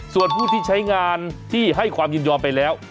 ส่วนผู้ที่ใช้งานที่ให้ความยินยอมไปแล้ว